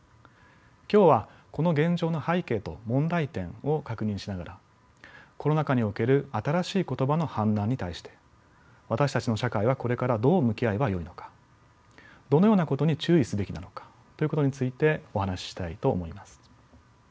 今日はこの現状の背景と問題点を確認しながらコロナ禍における新しい言葉の氾濫に対して私たちの社会はこれからどう向き合えばよいのかどのようなことに注意すべきなのかということについてお話ししたいと思います。